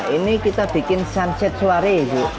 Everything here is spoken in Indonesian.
ini kita bikin sunset suari bu